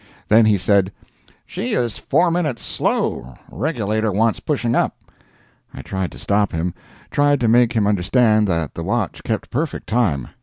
Then he said, "She is four minutes slow regulator wants pushing up." I tried to stop him tried to make him understand that the watch kept perfect time.